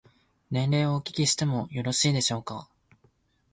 年齢をお聞きしてもよろしいでしょうか。